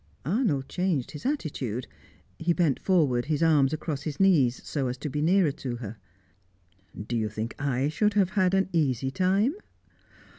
Arnold changed his attitude; he bent forward, his arms across his knees, so as to be nearer to her. "Do you think I should have had an easy time?"